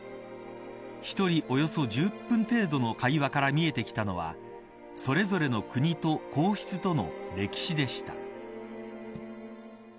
１人およそ１０分程度の会話から見えてきたのはそれぞれの国と皇室との歴史でした。